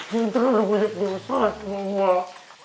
sinteran gue banyak banyak kesan sama mbak